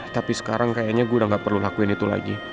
tapi sekarang kayaknya saya sudah tidak perlu lakukan itu lagi